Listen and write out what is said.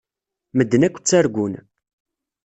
Medden akk ttargun.